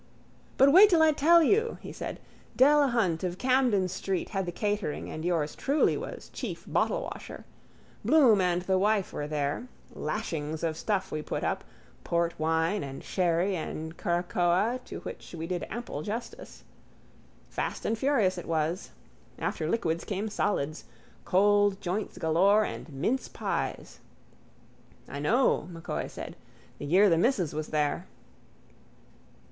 —But wait till I tell you, he said. Delahunt of Camden street had the catering and yours truly was chief bottlewasher. Bloom and the wife were there. Lashings of stuff we put up: port wine and sherry and curacoa to which we did ample justice. Fast and furious it was. After liquids came solids. Cold joints galore and mince pies... —I know, M'Coy said. The year the missus was there...